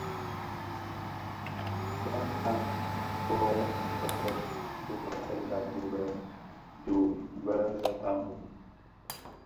Bakpag bō kotèn kotènga dhi bë dho bë lè baloum,